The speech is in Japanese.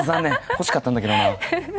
欲しかったんだけどな。